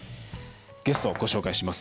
ゲスト、ご紹介します。